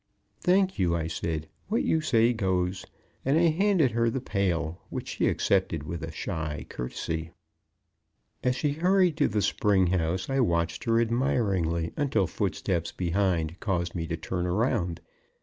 "Thank you," I said. "What you say goes," and I handed her the pail, which she accepted with a shy courtesy. As she hurried to the spring house, I watched her admiringly until foosteps behind caused me to turn around.